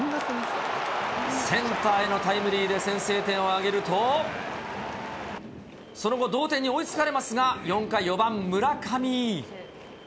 センターへのタイムリーで先制点を挙げると、その後、同点に追いつかれますが、４回、４番村上。